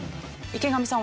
池上さん